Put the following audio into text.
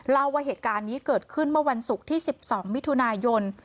เล่าว่าเหตุการณ์นี้เกิดขึ้นเมื่อวันศุกร์ที่๑๒มิถุนายน